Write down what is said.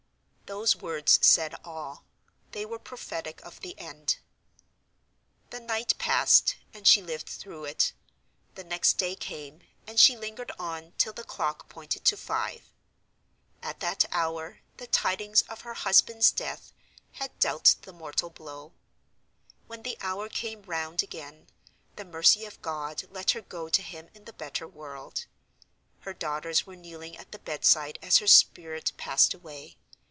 Those words said all: they were prophetic of the end. The night passed; and she lived through it. The next day came; and she lingered on till the clock pointed to five. At that hour the tidings of her husband's death had dealt the mortal blow. When the hour came round again, the mercy of God let her go to him in the better world. Her daughters were kneeling at the bedside as her spirit passed away.